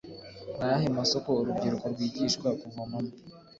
ni ayahe masoko urubyiruko rwigishwa kuvomamo?